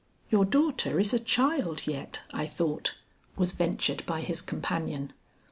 "Your daughter is a child yet, I thought," was ventured by his companion.